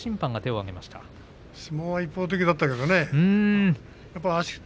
相撲は一方的だったけどね。